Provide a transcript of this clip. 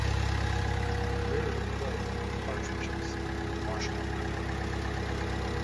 Rarely quail, partridges and marsh hawk.